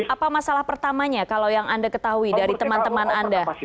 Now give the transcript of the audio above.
apa masalah pertamanya kalau yang anda ketahui dari teman teman anda